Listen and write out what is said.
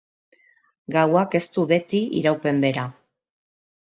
Gauak ez du beti iraupen bera.